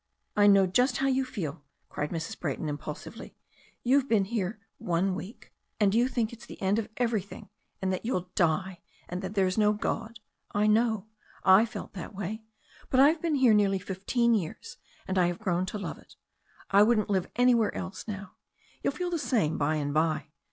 "I know just how you feel," cried Mrs. Brayton impul sively. "You've been here one week, and you think it's the end of everything, and that you'll die, and that there's no God. I know. I felt that way. But I've been here nearly fifteen years, and I have grown to love it. I wouldn't live anjrwhere else now. You'll feel the same by and by.